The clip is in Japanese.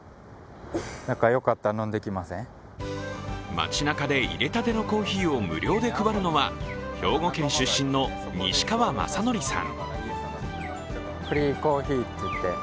街なかでいれたてのコーヒーを無料で配るのは、兵庫県出身の西川昌徳さん。